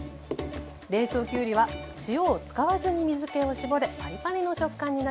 冷凍きゅうりは塩を使わずに水けを絞るパリパリの食感になります。